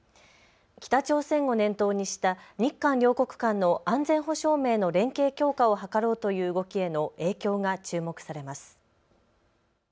北朝鮮を念頭にした日韓両国間の安全保障面の連携強化を図ろうという動きへの影響が注目されます。